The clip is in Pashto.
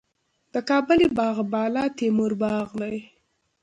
د کابل باغ بالا تیموري باغ دی